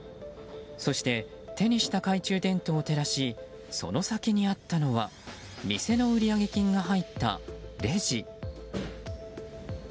そして、手にした懐中電灯を照らしその先にあったのは店の売上金が入ったレジ。